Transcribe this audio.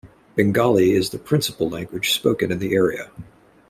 Bengali is the principal language spoken in the area.